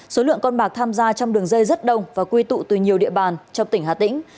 số lượng con bạc tham gia trong đường dây rất đông và quy tụ từ nhiều địa bàn trong tỉnh hà tĩnh